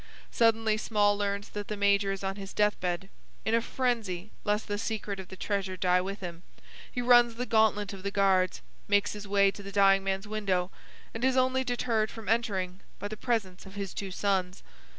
Suddenly Small learns that the major is on his death bed. In a frenzy lest the secret of the treasure die with him, he runs the gauntlet of the guards, makes his way to the dying man's window, and is only deterred from entering by the presence of his two sons.